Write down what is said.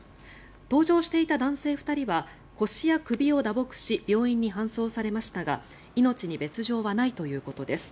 搭乗していた男性２人は腰や首を打撲し病院に搬送されましたが命に別条はないということです。